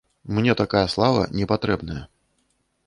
Мне такая слава не патрэбная.